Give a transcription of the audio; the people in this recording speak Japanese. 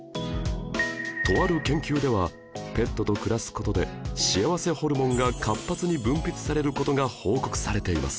とある研究ではペットと暮らす事で幸せホルモンが活発に分泌される事が報告されています